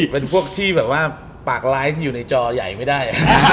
เป็นพวกที่แบบว่าปากไลฟ์ที่อยู่ในจอใหญ่ไม่ได้